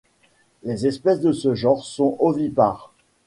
Les espèces de ce genre sont ovipares.